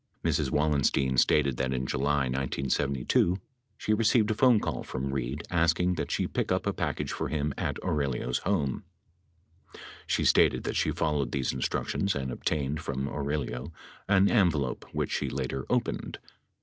Mrs. Wallenstein stated that in July 1972 she received a phone call from Reid asking that she pick up a package for him at Aurelio's home. She stated that she followed these instructions and obtained from Aurelio an envelope which she later opened.